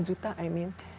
sepuluh juta i mean